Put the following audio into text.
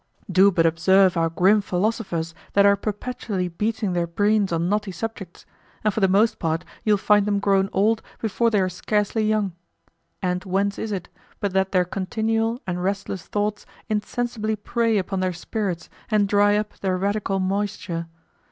Do but observe our grim philosophers that are perpetually beating their brains on knotty subjects, and for the most part you'll find them grown old before they are scarcely young. And whence is it, but that their continual and restless thoughts insensibly prey upon their spirits and dry up their radical moisture?